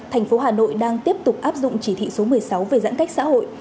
thành phố hà nội đang tiếp tục áp dụng chỉ thị số một mươi sáu về giãn cách xã hội